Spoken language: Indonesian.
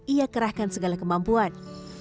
ia kerahkan segala kemampuan